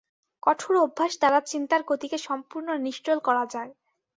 কঠোর অভ্যাস দ্বারা চিন্তার গতিকে সম্পূর্ণ নিশ্চল করা যায়।